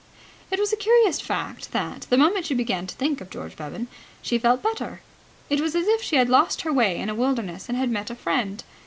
It was a curious fact that, the moment she began to think of George Bevan, she felt better. It was as if she had lost her way in a wilderness and had met a friend.